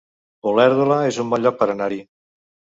Olèrdola es un bon lloc per anar-hi